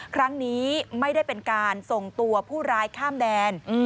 ครั้งนี้ไม่ได้เป็นการส่งตัวผู้ร้ายข้ามแดน